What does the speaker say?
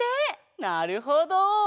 なるほど！